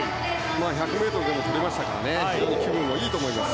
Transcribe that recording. １００ｍでもとりましたから非常に気分もいいと思います。